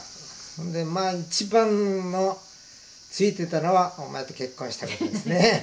でまあ一番のついてたのはお前と結婚したことですね。